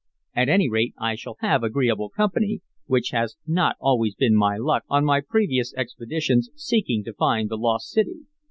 At any rate, I shall have agreeable company, which has not always been my luck on my previous expeditions seeking to find the lost city."